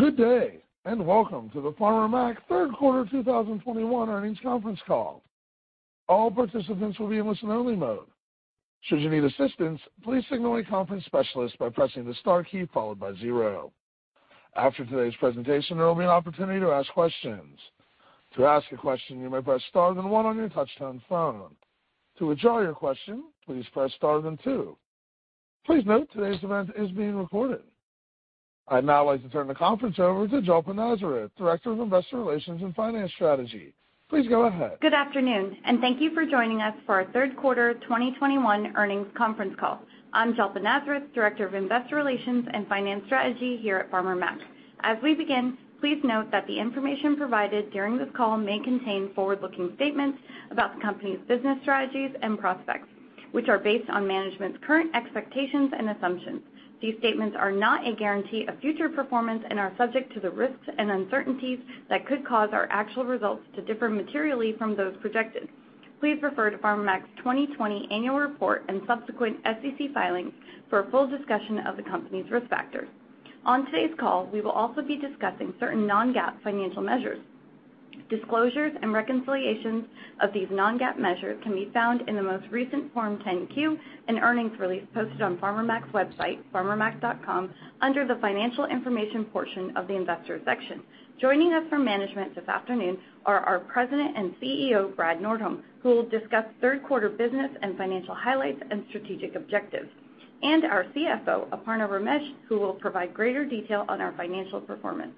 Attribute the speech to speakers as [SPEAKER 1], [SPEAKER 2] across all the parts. [SPEAKER 1] Good day, and welcome to the Farmer Mac third quarter 2021 earnings conference call. All participants will be in listen only mode. Should you need assistance, please signal a conference specialist by pressing the star key followed by zero. After today's presentation, there will be an opportunity to ask questions. To ask a question, you may press star then one on your touch-tone phone. To withdraw your question, please press star then two. Please note today's event is being recorded. I'd now like to turn the conference over to Jalpa Nazareth, Director of Investor Relations and Finance Strategy. Please go ahead.
[SPEAKER 2] Good afternoon, and thank you for joining us for our third quarter 2021 earnings conference call. I'm Jalpa Nazareth, Director of Investor Relations and Finance Strategy here at Farmer Mac. As we begin, please note that the information provided during this call may contain forward-looking statements about the company's business strategies and prospects, which are based on management's current expectations and assumptions. These statements are not a guarantee of future performance and are subject to the risks and uncertainties that could cause our actual results to differ materially from those projected. Please refer to Farmer Mac's 2020 annual report and subsequent SEC filings for a full discussion of the company's risk factors. On today's call, we will also be discussing certain non-GAAP financial measures. Disclosures and reconciliations of these non-GAAP measures can be found in the most recent Form 10-Q and earnings release posted on Farmer Mac's website, farmermac.com, under the financial information portion of the investor section. Joining us from management this afternoon are our President and CEO, Brad Nordholm, who will discuss third quarter business and financial highlights and strategic objectives. Our CFO, Aparna Ramesh, who will provide greater detail on our financial performance.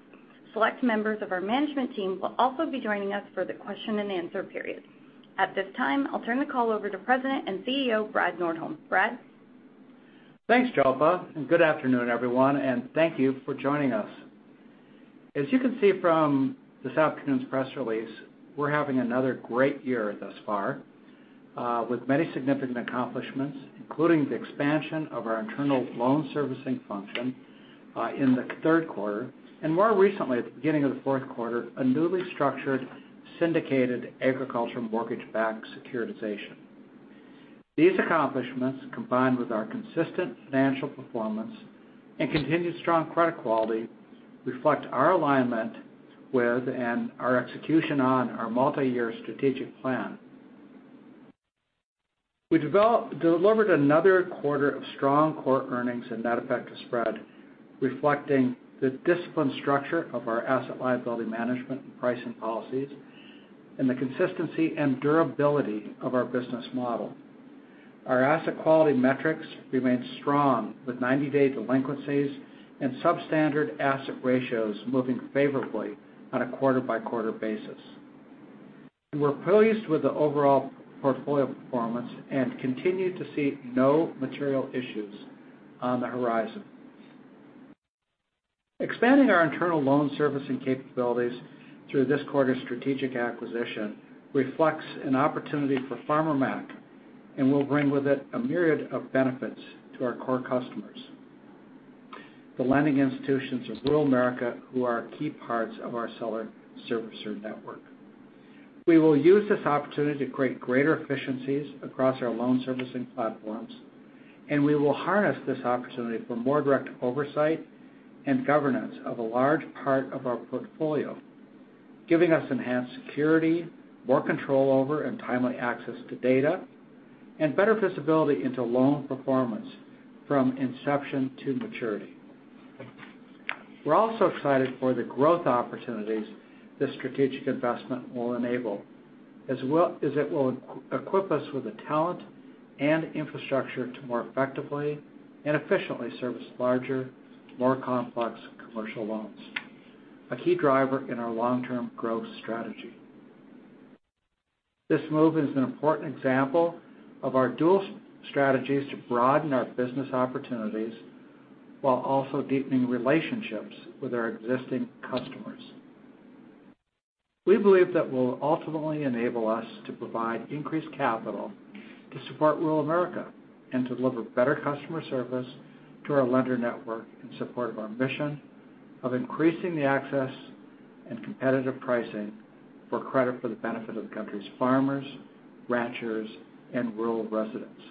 [SPEAKER 2] Select members of our management team will also be joining us for the question and answer period. At this time, I'll turn the call over to President and CEO, Brad Nordholm. Brad?
[SPEAKER 3] Thanks, Jalpa, and good afternoon, everyone, and thank you for joining us. As you can see from this afternoon's press release, we're having another great year thus far, with many significant accomplishments, including the expansion of our internal loan servicing function, in the third quarter, and more recently, at the beginning of the fourth quarter, a newly structured syndicated agricultural mortgage-backed securitization. These accomplishments, combined with our consistent financial performance and continued strong credit quality, reflect our alignment with and our execution on our multi-year strategic plan. We delivered another quarter of strong core earnings and net effective spread, reflecting the disciplined structure of our asset-liability management and pricing policies, and the consistency and durability of our business model. Our asset quality metrics remain strong with 90-day delinquencies and substandard asset ratios moving favorably on a quarter-by-quarter basis. We're pleased with the overall portfolio performance and continue to see no material issues on the horizon. Expanding our internal loan servicing capabilities through this quarter's strategic acquisition reflects an opportunity for Farmer Mac and will bring with it a myriad of benefits to our core customers, the lending institutions of rural America who are key parts of our seller servicer network. We will use this opportunity to create greater efficiencies across our loan servicing platforms, and we will harness this opportunity for more direct oversight and governance of a large part of our portfolio, giving us enhanced security, more control over and timely access to data, and better visibility into loan performance from inception to maturity. We're also excited for the growth opportunities this strategic investment will enable, as well as it will equip us with the talent and infrastructure to more effectively and efficiently service larger, more complex commercial loans, a key driver in our long-term growth strategy. This move is an important example of our dual strategies to broaden our business opportunities while also deepening relationships with our existing customers. We believe that will ultimately enable us to provide increased capital to support rural America and deliver better customer service to our lender network in support of our mission of increasing the access and competitive pricing for credit for the benefit of the country's farmers, ranchers, and rural residents.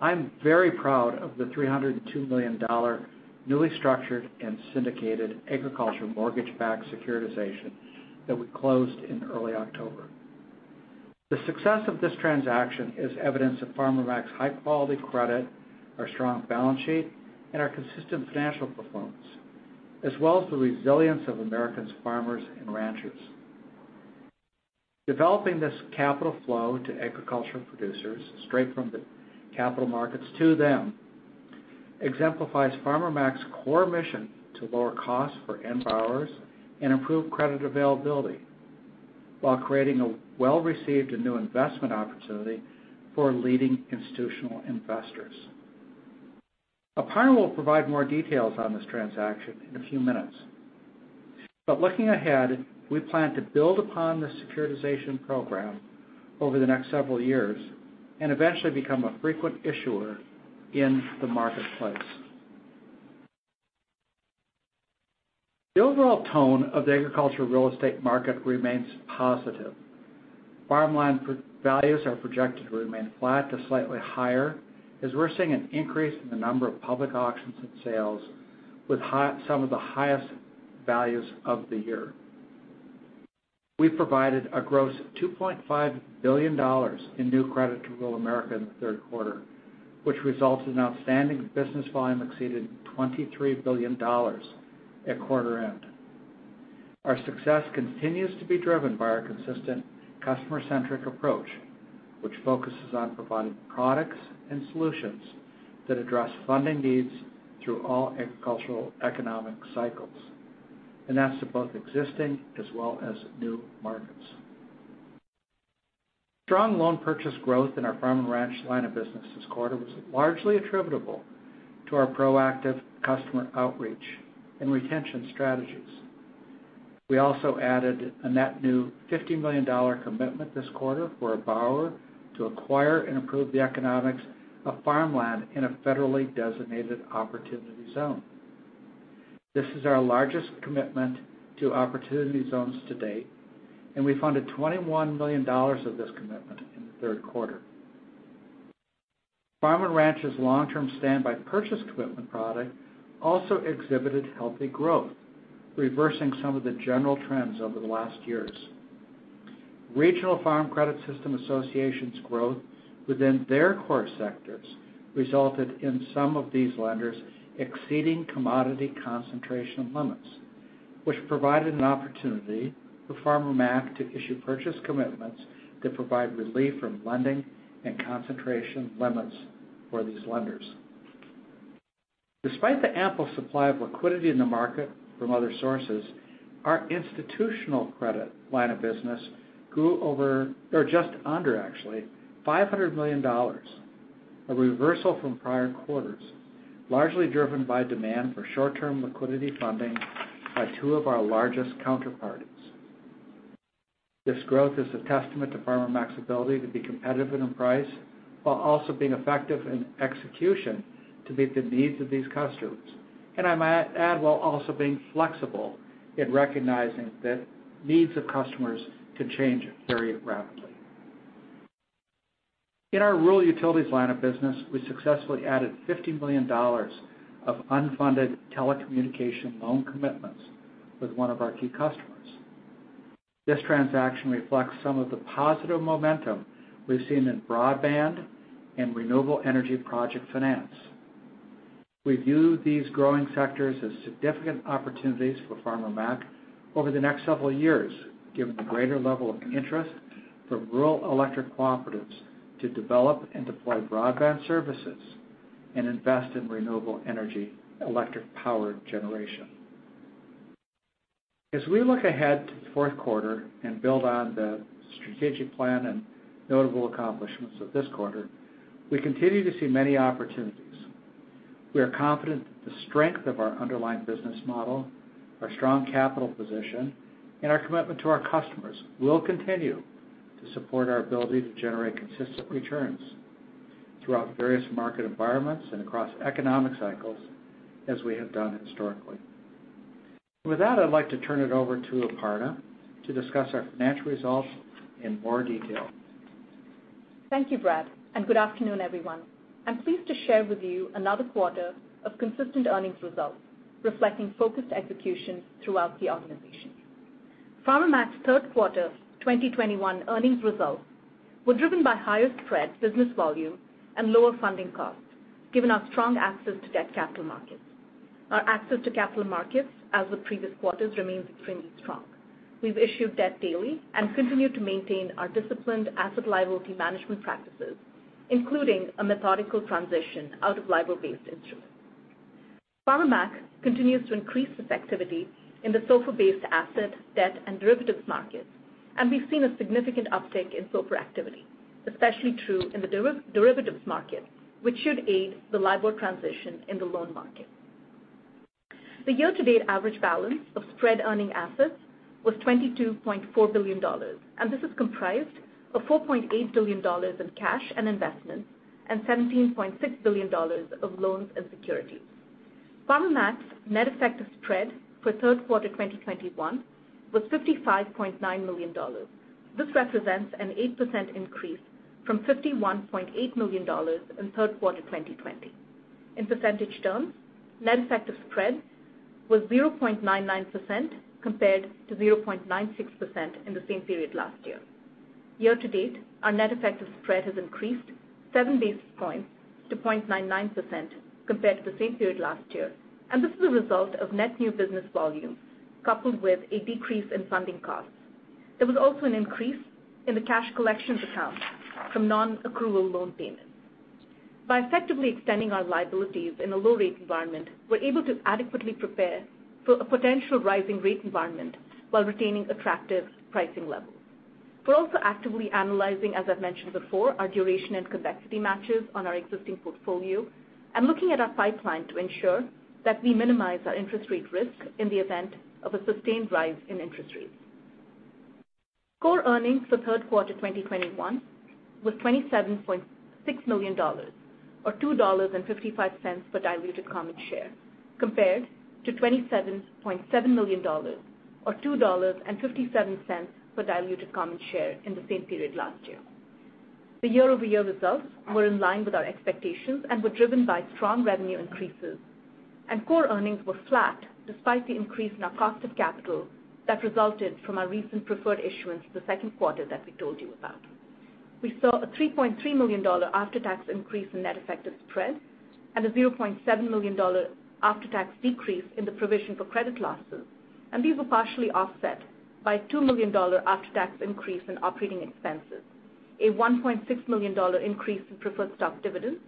[SPEAKER 3] I'm very proud of the $302 million newly structured and syndicated agricultural mortgage-backed securitization that we closed in early October. The success of this transaction is evidence of Farmer Mac's high-quality credit, our strong balance sheet, and our consistent financial performance, as well as the resilience of Americans, farmers, and ranchers. Developing this capital flow to agricultural producers straight from the capital markets to them exemplifies Farmer Mac's core mission to lower costs for end borrowers and improve credit availability while creating a well-received and new investment opportunity for leading institutional investors. Aparna will provide more details on this transaction in a few minutes. Looking ahead, we plan to build upon the securitization program over the next several years and eventually become a frequent issuer in the marketplace. The overall tone of the agricultural real estate market remains positive. Farmland values are projected to remain flat to slightly higher as we're seeing an increase in the number of public auctions and sales with some of the highest values of the year. We provided a gross $2.5 billion in new credit to rural America in the third quarter, which results in outstanding business volume exceeding $23 billion at quarter end. Our success continues to be driven by our consistent customer-centric approach, which focuses on providing products and solutions that address funding needs through all agricultural economic cycles, and that's to both existing as well as new markets. Strong loan purchase growth in our Farm & Ranch line of business this quarter was largely attributable to our proactive customer outreach and retention strategies. We also added a net new $50 million commitment this quarter for a borrower to acquire and improve the economics of farmland in a federally designated Opportunity Zone. This is our largest commitment to Opportunity Zones to date, and we funded $21 million of this commitment in the third quarter. Farm & Ranch's long-term standby purchase commitment product also exhibited healthy growth, reversing some of the general trends over the last years. Regional Farm Credit System associations' growth within their core sectors resulted in some of these lenders exceeding commodity concentration limits, which provided an opportunity for Farmer Mac to issue purchase commitments that provide relief from lending and concentration limits for these lenders. Despite the ample supply of liquidity in the market from other sources, our institutional credit line of business grew over or just under actually $500 million, a reversal from prior quarters, largely driven by demand for short-term liquidity funding by two of our largest counterparties. This growth is a testament to Farmer Mac's ability to be competitive in price while also being effective in execution to meet the needs of these customers, and I might add, while also being flexible in recognizing that needs of customers can change very rapidly. In our Rural Utilities line of business, we successfully added $50 million of unfunded telecommunication loan commitments with one of our key customers. This transaction reflects some of the positive momentum we've seen in Broadband and Renewable Energy project finance. We view these growing sectors as significant opportunities for Farmer Mac over the next several years, given the greater level of interest from rural electric cooperatives to develop and deploy broadband services and invest in renewable energy electric power generation. As we look ahead to the fourth quarter and build on the strategic plan and notable accomplishments of this quarter, we continue to see many opportunities. We are confident that the strength of our underlying business model, our strong capital position, and our commitment to our customers will continue to support our ability to generate consistent returns throughout various market environments and across economic cycles as we have done historically. With that, I'd like to turn it over to Aparna to discuss our financial results in more detail.
[SPEAKER 4] Thank you, Brad, and good afternoon, everyone. I'm pleased to share with you another quarter of consistent earnings results reflecting focused execution throughout the organization. Farmer Mac's third quarter 2021 earnings results were driven by higher spread business volume and lower funding costs, given our strong access to debt capital markets. Our access to capital markets, as with previous quarters, remains extremely strong. We've issued debt daily and continue to maintain our disciplined asset-liability management practices, including a methodical transition out of LIBOR-based instruments. Farmer Mac continues to increase its activity in the SOFR-based asset, debt, and derivatives markets, and we've seen a significant uptick in SOFR activity, especially true in the derivatives market, which should aid the LIBOR transition in the loan market. The year-to-date average balance of spread earning assets was $22.4 billion, and this is comprised of $4.8 billion in cash and investments and $17.6 billion of loans and securities. Farmer Mac's net effective spread for third quarter 2021 was $55.9 million. This represents an 8% increase from $51.8 million in third quarter 2020. In percentage terms, net effective spread was 0.99% compared to 0.96% in the same period last year. Year to date, our net effective spread has increased 7 basis points to 0.99% compared to the same period last year. This is a result of net new business volume coupled with a decrease in funding costs. There was also an increase in the cash collections account from non-accrual loan payments. By effectively extending our liabilities in a low rate environment, we're able to adequately prepare for a potential rising rate environment while retaining attractive pricing levels. We're also actively analyzing, as I've mentioned before, our duration and convexity matches on our existing portfolio and looking at our pipeline to ensure that we minimize our interest rate risk in the event of a sustained rise in interest rates. Core earnings for third quarter 2021 was $27.6 million or $2.55 per diluted common share, compared to $27.7 million or $2.57 per diluted common share in the same period last year. The year-over-year results were in line with our expectations and were driven by strong revenue increases. Core earnings were flat despite the increase in our cost of capital that resulted from our recent preferred issuance in the second quarter that we told you about. We saw a $3.3 million after-tax increase in net effective spread and a $0.7 million after-tax decrease in the provision for credit losses, and these were partially offset by $2 million after-tax increase in operating expenses, a $1.6 million increase in preferred stock dividends,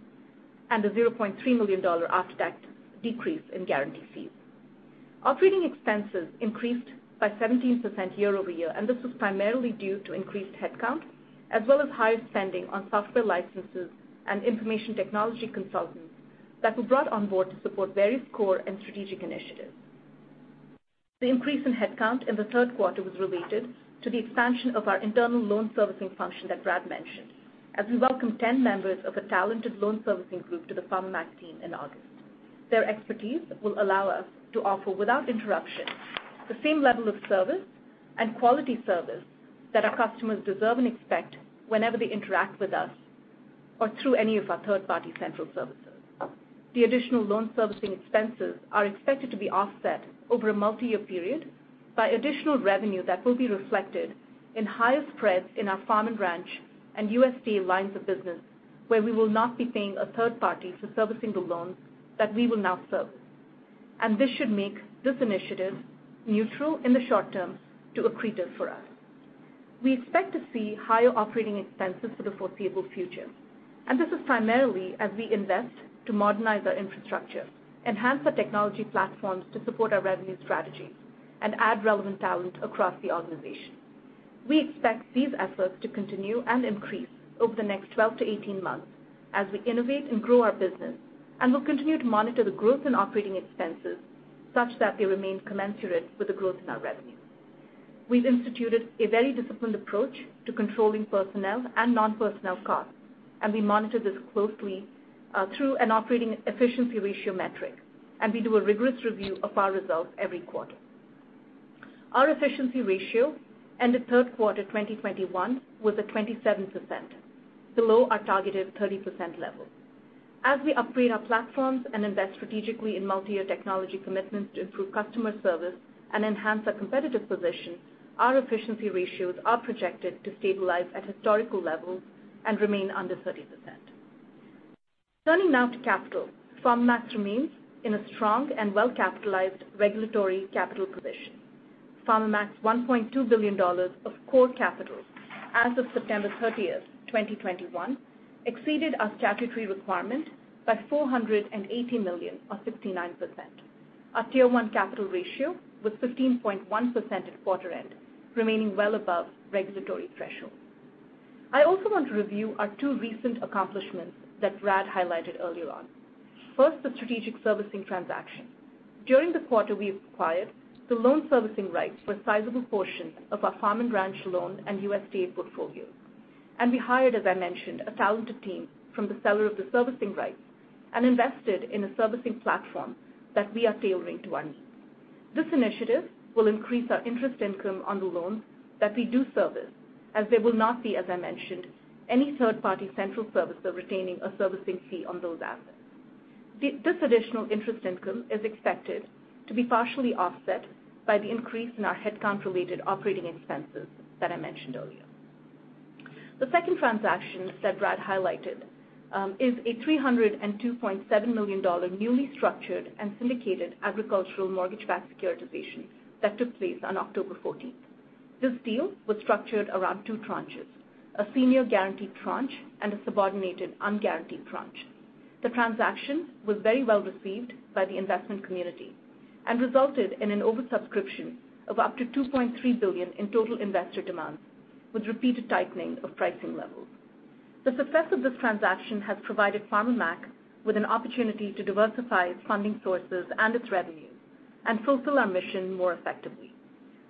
[SPEAKER 4] and a $0.3 million after-tax decrease in guarantee fees. Operating expenses increased by 17% year-over-year, and this was primarily due to increased headcount as well as higher spending on software licenses and information technology consultants that were brought on board to support various core and strategic initiatives. The increase in headcount in the third quarter was related to the expansion of our internal loan servicing function that Brad mentioned, as we welcomed 10 members of a talented loan servicing group to the Farmer Mac team in August. Their expertise will allow us to offer, without interruption, the same level of service and quality service that our customers deserve and expect whenever they interact with us or through any of our third-party central services. The additional loan servicing expenses are expected to be offset over a multi-year period by additional revenue that will be reflected in higher spreads in our Farm & Ranch and USDA lines of business, where we will not be paying a third party for servicing the loans that we will now serve. This should make this initiative neutral in the short term to accretive for us. We expect to see higher operating expenses for the foreseeable future, and this is primarily as we invest to modernize our infrastructure, enhance our technology platforms to support our revenue strategy, and add relevant talent across the organization. We expect these efforts to continue and increase over the next 12 to 18 months as we innovate and grow our business, and we'll continue to monitor the growth in operating expenses such that they remain commensurate with the growth in our revenue. We've instituted a very disciplined approach to controlling personnel and non-personnel costs, and we monitor this closely through an operating efficiency ratio metric, and we do a rigorous review of our results every quarter. Our efficiency ratio end of third quarter 2021 was at 27%, below our targeted 30% level. As we upgrade our platforms and invest strategically in multi-year technology commitments to improve customer service and enhance our competitive position, our efficiency ratios are projected to stabilize at historical levels and remain under 30%. Turning now to capital. Farmer Mac remains in a strong and well-capitalized regulatory capital position. Farmer Mac's $1.2 billion of core capital as of September 30, 2021, exceeded our statutory requirement by $480 million, or 59%. Our Tier 1 Capital Ratio was 15.1% at quarter end, remaining well above regulatory threshold. I also want to review our two recent accomplishments that Brad highlighted earlier on. First, the strategic servicing transaction. During the quarter, we acquired the loan servicing rights for a sizable portion of our Farm & Ranch loan and USDA portfolio. We hired, as I mentioned, a talented team from the seller of the servicing rights and invested in a servicing platform that we are tailoring to our needs. This initiative will increase our interest income on the loans that we do service, as there will not be, as I mentioned, any third-party central servicer retaining a servicing fee on those assets. This additional interest income is expected to be partially offset by the increase in our headcount-related operating expenses that I mentioned earlier. The second transaction that Brad highlighted is a $302.7 million newly structured and syndicated agricultural mortgage-backed securitization that took place on October fourteenth. This deal was structured around two tranches, a senior guaranteed tranche and a subordinated unguaranteed tranche. The transaction was very well received by the investment community and resulted in an oversubscription of up to $2.3 billion in total investor demand, with repeated tightening of pricing levels. The success of this transaction has provided Farmer Mac with an opportunity to diversify its funding sources and its revenue and fulfill our mission more effectively.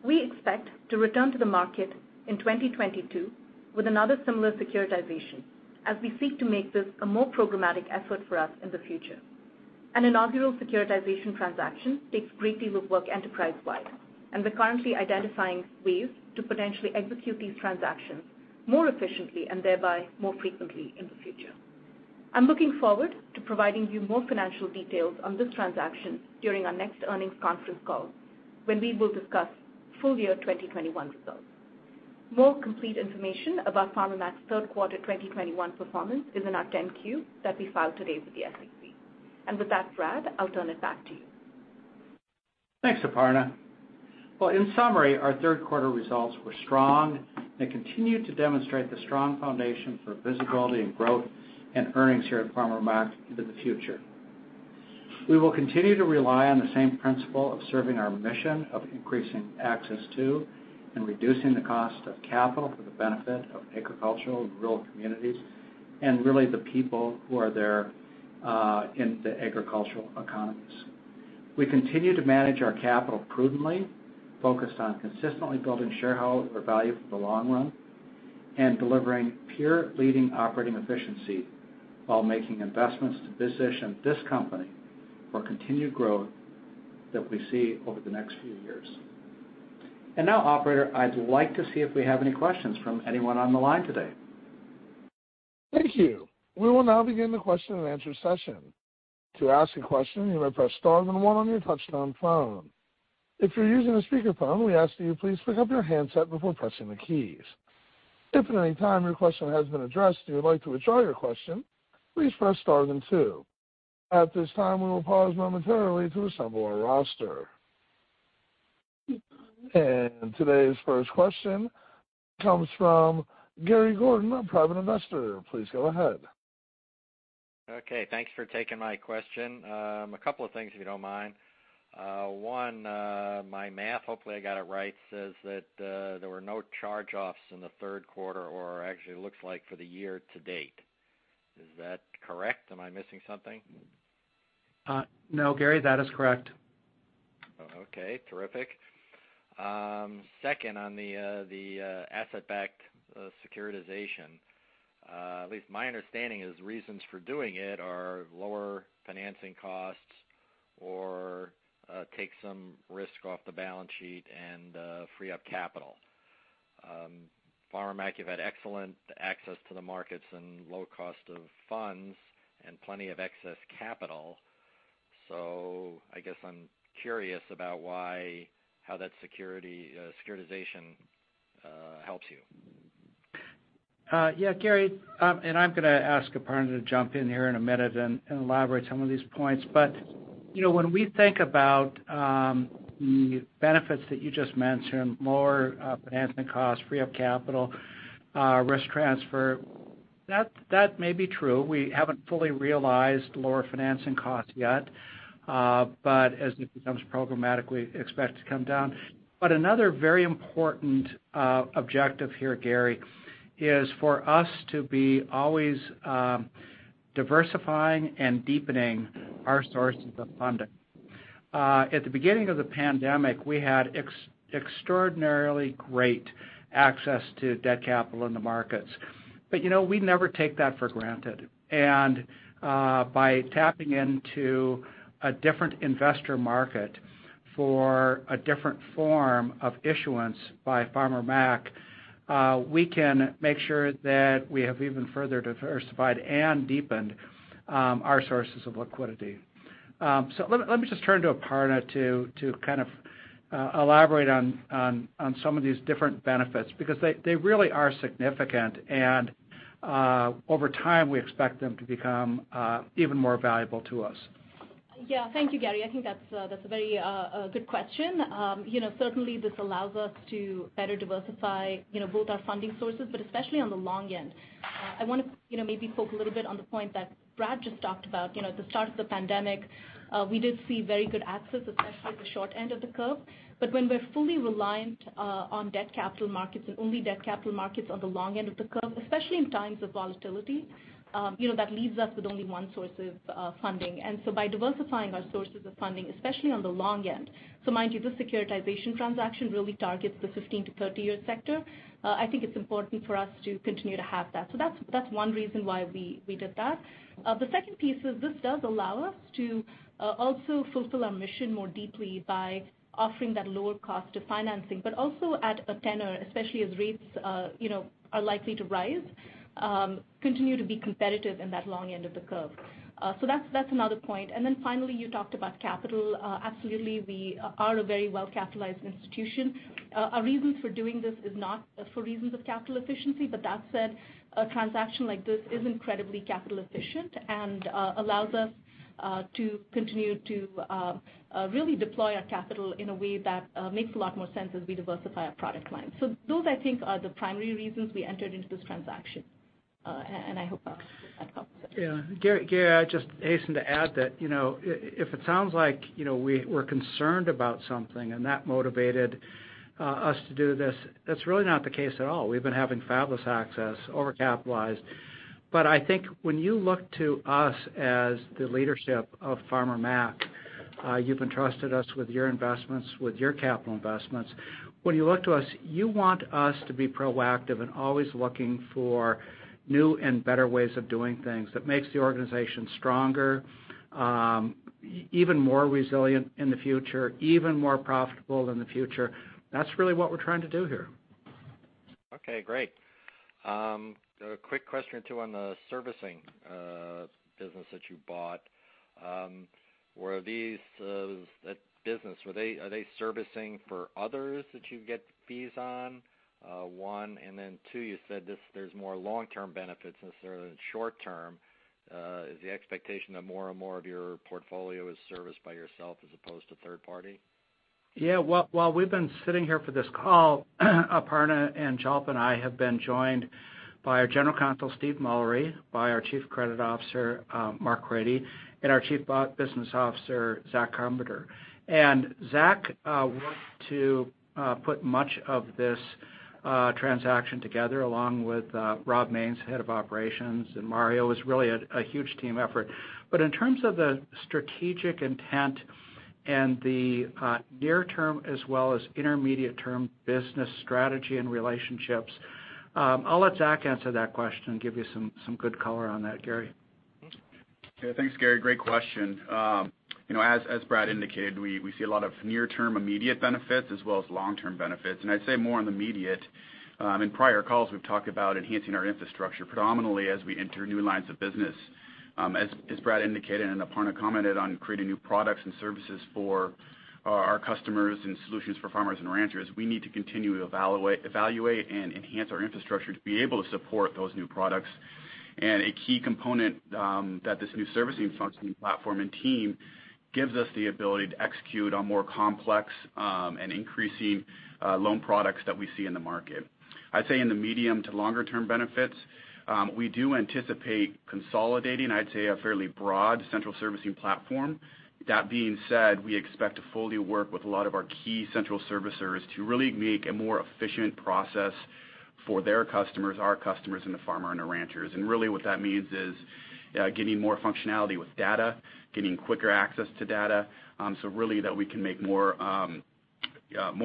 [SPEAKER 4] We expect to return to the market in 2022 with another similar securitization as we seek to make this a more programmatic effort for us in the future. An inaugural securitization transaction takes a great deal of work enterprise-wide, and we're currently identifying ways to potentially execute these transactions more efficiently and thereby more frequently in the future. I'm looking forward to providing you more financial details on this transaction during our next earnings conference call when we will discuss full year 2021 results. More complete information about Farmer Mac's third quarter 2021 performance is in our 10-Q that we filed today with the SEC. With that, Brad, I'll turn it back to you.
[SPEAKER 3] Thanks, Aparna. Well, in summary, our third quarter results were strong and continue to demonstrate the strong foundation for visibility and growth and earnings here at Farmer Mac into the future. We will continue to rely on the same principle of serving our mission of increasing access to and reducing the cost of capital for the benefit of agricultural and rural communities and really the people who are there in the agricultural economies. We continue to manage our capital prudently, focused on consistently building shareholder value for the long run and delivering peer-leading operating efficiency while making investments to position this company for continued growth that we see over the next few years. Now, operator, I'd like to see if we have any questions from anyone on the line today.
[SPEAKER 1] Thank you. We will now begin the question-and-answer session. To ask a question, you may press star then one on your touchtone phone. If you're using a speakerphone, we ask that you please pick up your handset before pressing the keys. If at any time your question has been addressed, and you would like to withdraw your question, please press star then two. At this time, we will pause momentarily to assemble our roster. Today's first question comes from Gary Gordon, a private investor. Please go ahead.
[SPEAKER 5] Okay, thanks for taking my question. A couple of things, if you don't mind. One, my math, hopefully I got it right, says that, there were no charge-offs in the third quarter or actually looks like for the year to date. Is that correct? Am I missing something?
[SPEAKER 3] No, Gary, that is correct.
[SPEAKER 5] Okay, terrific. Second, on the asset-backed securitization, at least my understanding is reasons for doing it are lower financing costs or take some risk off the balance sheet and free up capital. Farmer Mac, you've had excellent access to the markets and low cost of funds and plenty of excess capital. I guess I'm curious about how that securitization helps you.
[SPEAKER 3] Yeah, Gary, I'm gonna ask Aparna to jump in here in a minute and elaborate some of these points. You know, when we think about the benefits that you just mentioned, lower financing costs, free up capital, risk transfer, that may be true. We haven't fully realized lower financing costs yet. As it becomes programmatically, expect to come down. Another very important objective here, Gary, is for us to be always diversifying and deepening our sources of funding. At the beginning of the pandemic, we had extraordinarily great access to debt capital in the markets. You know, we never take that for granted. By tapping into a different investor market for a different form of issuance by Farmer Mac, we can make sure that we have even further diversified and deepened our sources of liquidity. So let me just turn to Aparna to kind of elaborate on some of these different benefits because they really are significant. Over time, we expect them to become even more valuable to us.
[SPEAKER 4] Yeah. Thank you, Gary. I think that's a very good question. You know, certainly this allows us to better diversify, you know, both our funding sources, but especially on the long end. I wanna, you know, maybe focus a little bit on the point that Brad just talked about, you know, at the start of the pandemic, we did see very good access, especially at the short end of the curve. When we're fully reliant on debt capital markets and only debt capital markets on the long end of the curve, especially in times of volatility, you know, that leaves us with only one source of funding. By diversifying our sources of funding, especially on the long end, mind you, this securitization transaction really targets the 15- to 30-year sector. I think it's important for us to continue to have that. That's one reason why we did that. The second piece is this does allow us to also fulfill our mission more deeply by offering that lower cost to financing, but also at a tenor, especially as rates, you know, are likely to rise, continue to be competitive in that long end of the curve. That's another point. Finally, you talked about capital. Absolutely, we are a very well-capitalized institution. Our reasons for doing this is not for reasons of capital efficiency, but that said, a transaction like this is incredibly capital efficient and allows us to continue to really deploy our capital in a way that makes a lot more sense as we diversify our product line. Those, I think, are the primary reasons we entered into this transaction. I hope that helps.
[SPEAKER 3] Yeah. Gary, I'd just hasten to add that, you know, if it sounds like, you know, we're concerned about something and that motivated us to do this, that's really not the case at all. We've been having fabulous access, overcapitalized. I think when you look to us as the leadership of Farmer Mac, you've entrusted us with your investments, with your capital investments. When you look to us, you want us to be proactive and always looking for new and better ways of doing things that makes the organization stronger, even more resilient in the future, even more profitable in the future. That's really what we're trying to do here.
[SPEAKER 5] Okay, great. A quick question or two on the servicing business that you bought. Were these business servicing for others that you get fees on? One. Two, you said there's more long-term benefits necessarily than short-term. Is the expectation that more and more of your portfolio is serviced by yourself as opposed to third party?
[SPEAKER 3] Yeah. While we've been sitting here for this call, Aparna and Jalpa and I have been joined by our General Counsel, Steve Mullery, by our Chief Credit Officer, Marc Crady, and our Chief Business Officer, Zach Carpenter. Zach worked to put much of this transaction together along with Rob Maines, Head of Operations, and Mario. It's really a huge team effort. In terms of the strategic intent and the near term as well as intermediate term business strategy and relationships, I'll let Zach answer that question and give you some good color on that, Gary.
[SPEAKER 6] Yeah. Thanks, Gary. Great question. You know, as Brad indicated, we see a lot of near term immediate benefits as well as long-term benefits, and I'd say more on the immediate. In prior calls, we've talked about enhancing our infrastructure predominantly as we enter new lines of business. As Brad indicated and Aparna commented on creating new products and services for our customers and solutions for farmers and ranchers, we need to continue to evaluate and enhance our infrastructure to be able to support those new products. A key component that this new servicing functioning platform and team gives us the ability to execute on more complex and increasing loan products that we see in the market. I'd say in the medium to longer term benefits, we do anticipate consolidating, I'd say, a fairly broad central servicing platform. That being said, we expect to fully work with a lot of our key central servicers to really make a more efficient process for their customers, our customers, and the farmer and the ranchers. Really what that means is, getting more functionality with data, getting quicker access to data, so really that we can make more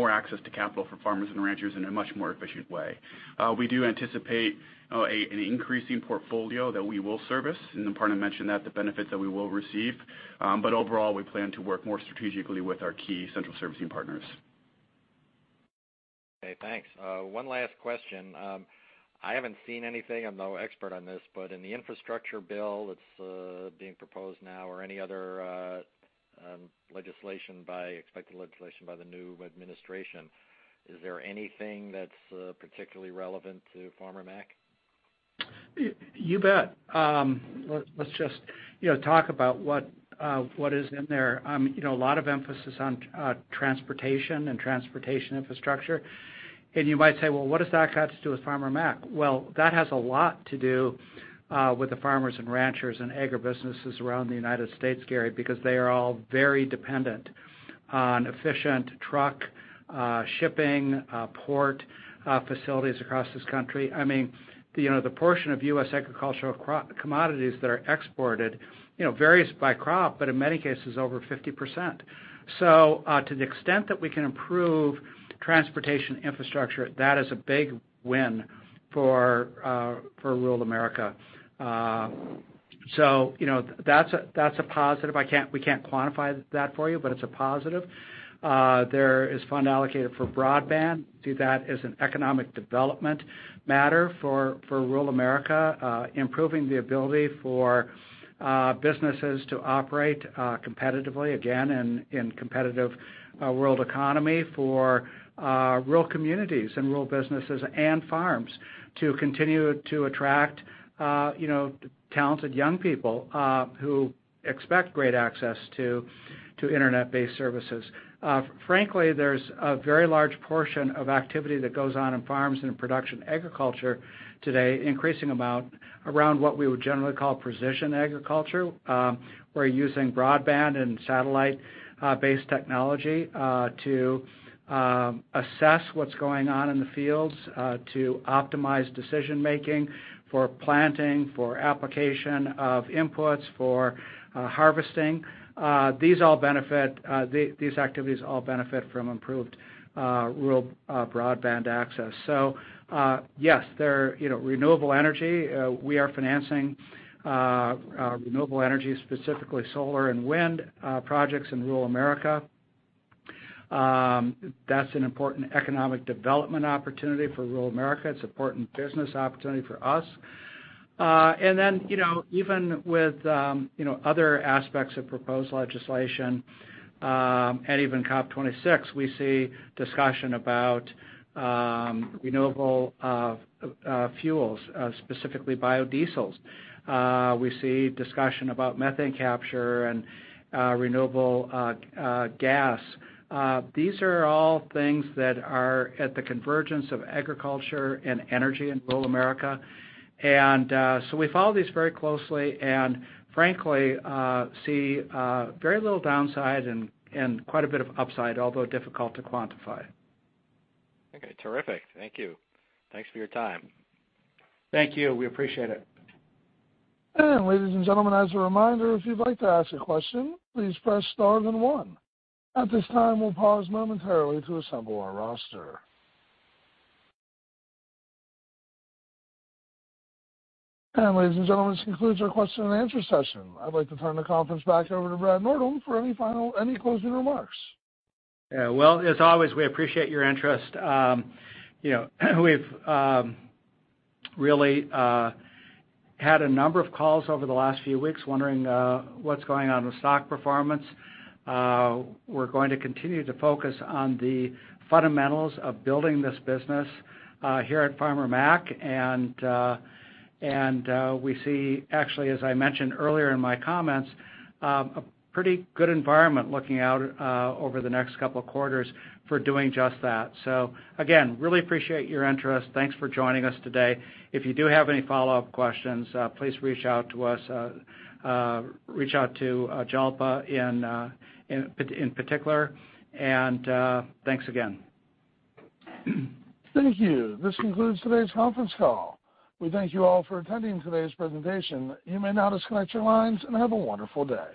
[SPEAKER 6] access to capital for farmers and ranchers in a much more efficient way. We do anticipate an increasing portfolio that we will service, and Aparna mentioned that, the benefit that we will receive. Overall, we plan to work more strategically with our key central servicing partners.
[SPEAKER 5] Okay, thanks. One last question. I haven't seen anything, I'm no expert on this, but in the infrastructure bill that's being proposed now or any other legislation by the new administration, is there anything that's particularly relevant to Farmer Mac?
[SPEAKER 3] You bet. Let's just, you know, talk about what is in there. You know, a lot of emphasis on transportation infrastructure. You might say, "Well, what does that got to do with Farmer Mac?" That has a lot to do with the farmers and ranchers and agribusinesses around the United States, Gary, because they are all very dependent on efficient truck shipping port facilities across this country. I mean, you know, the portion of U.S. agricultural commodities that are exported, you know, varies by crop, but in many cases over 50%. To the extent that we can improve transportation infrastructure, that is a big win for rural America. You know, that's a positive. We can't quantify that for you, but it's a positive. There's a fund allocated for broadband. We see that as an economic development matter for rural America, improving the ability for businesses to operate competitively again in a competitive world economy for rural communities and rural businesses and farms to continue to attract you know talented young people who expect great access to internet-based services. Frankly, there's a very large portion of activity that goes on in farms and in production agriculture today increasingly around what we would generally call precision agriculture, where using broadband and satellite-based technology to assess what's going on in the fields to optimize decision-making for planting, for application of inputs, for harvesting. These activities all benefit from improved rural broadband access. Yes, there, you know, renewable energy, we are financing renewable energy, specifically solar and wind projects in rural America. That's an important economic development opportunity for rural America. It's important business opportunity for us. Then, you know, even with, you know, other aspects of proposed legislation, and even COP26, we see discussion about renewable fuels, specifically biodiesels. We see discussion about methane capture and renewable gas. These are all things that are at the convergence of agriculture and energy in rural America. We follow these very closely, and frankly, see very little downside and quite a bit of upside, although difficult to quantify.
[SPEAKER 5] Okay. Terrific. Thank you. Thanks for your time.
[SPEAKER 3] Thank you. We appreciate it.
[SPEAKER 1] Ladies and gentlemen, as a reminder, if you'd like to ask a question, please press star then one. At this time, we'll pause momentarily to assemble our roster. Ladies and gentlemen, this concludes our question and answer session. I'd like to turn the conference back over to Brad Nordholm for any final, any closing remarks.
[SPEAKER 3] Yeah. Well, as always, we appreciate your interest. You know, we've really had a number of calls over the last few weeks wondering what's going on with stock performance. We're going to continue to focus on the fundamentals of building this business here at Farmer Mac, and we see actually, as I mentioned earlier in my comments, a pretty good environment looking out over the next couple of quarters for doing just that. Again, really appreciate your interest. Thanks for joining us today. If you do have any follow-up questions, please reach out to Jalpa in particular, and thanks again.
[SPEAKER 1] Thank you. This concludes today's conference call. We thank you all for attending today's presentation. You may now disconnect your lines, and have a wonderful day.